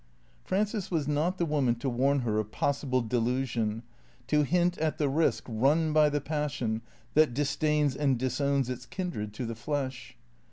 Frances was not the woman to warn her of possible delusion ; to bint at the risk run by the passion that disdains and disowns its kindred to the flesh.